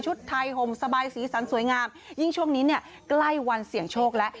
ไทยห่มสบายสีสันสวยงามยิ่งช่วงนี้เนี่ยใกล้วันเสี่ยงโชคแล้ว